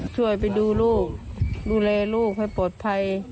ช่วยไปดูลูกดูแลลูกให้ปลอดภัย